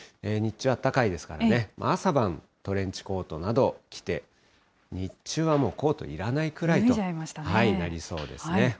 日中あったかいですからね、朝晩、トレンチコートなど着て、日中はもうコートいらないくらいとなりそうですね。